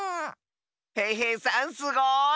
へいへいさんすごい！